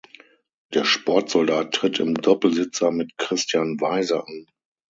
Der Sportsoldat tritt im Doppelsitzer mit Christian Weise an.